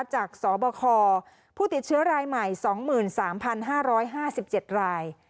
จากสบคผู้ติดเชื้อรายใหม่๒๓๕๕๗ราย